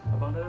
abang dulu lah